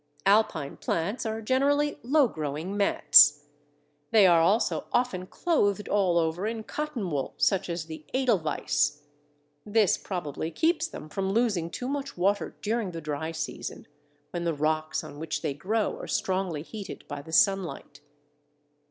Alpine plants are generally low growing mats. They are also often clothed all over in cottonwool, such as the Edelweiss. This probably keeps them from losing too much water during the dry season, when the rocks on which they grow are strongly heated by the sunlight.